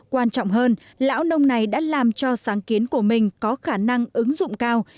quan trọng hơn lão nông này đã làm cho sáng kiến của mình có khả năng ứng dụng cao